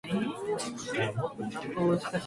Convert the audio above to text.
レーズンが嫌いだという人は思っているよりも多い。